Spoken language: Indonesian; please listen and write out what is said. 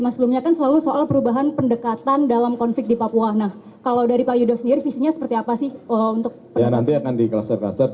memberikan support pada saya